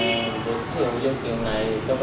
các bé mà cũng diễn tốt cái này mà không nói